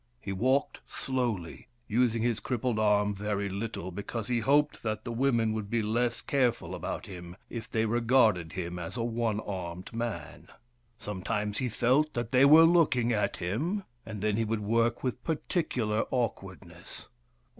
He walked slowly, using his crippled arm very little, because he hoped that the women would be less careful about him if they regarded him as a one armed man. Sometimes he felt that they were looking at him, and then he would work with par ticular awkwardness.